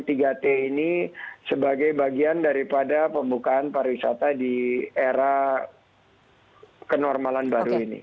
tiga t ini sebagai bagian daripada pembukaan pariwisata di era kenormalan baru ini